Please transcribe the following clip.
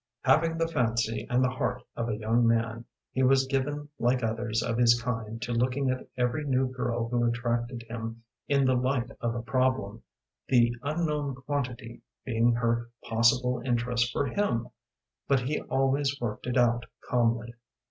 Having the fancy and the heart of a young man, he was given like others of his kind to looking at every new girl who attracted him in the light of a problem, the unknown quantity being her possible interest for him, but he always worked it out calmly.